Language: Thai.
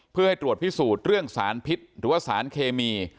เพื่อให้ตรวจพิสูจน์เรื่องสารพิษหรือว่าสารเคมี